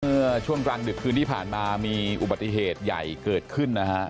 เมื่อช่วงกลางดึกคืนที่ผ่านมามีอุบัติเหตุใหญ่เกิดขึ้นนะฮะ